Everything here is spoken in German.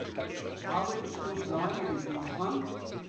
Habe ich noch Sahne im Kühlschrank?